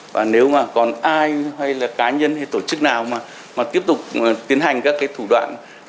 và nếu còn ai cá nhân hay tổ chức nào mà tiếp tục tiến hành các thủ đoạn